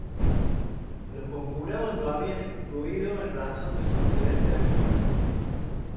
Los conjurados lo habían excluido en razón de su ansiedad excesiva.